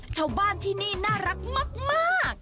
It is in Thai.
ชาวบ้านที่นี่น่ารักมาก